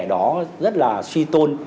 đó rất là suy tôn